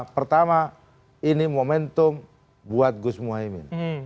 pertama ini momentum buat gus muhaymin